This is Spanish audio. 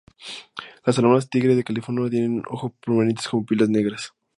Las salamandras tigre de California tiene ojos prominentes con pupilas negras.